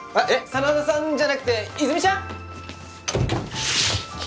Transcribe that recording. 真田さんじゃなくて和泉ちゃん！？